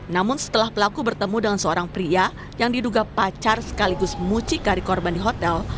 namun setelah pelaku bertemu dengan seorang pria yang diduga pacar sekaligus mucikari korban di hotel